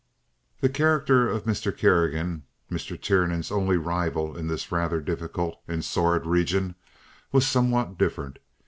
The character of Mr. Kerrigan, Mr. Tiernan's only rival in this rather difficult and sordid region, was somewhat different.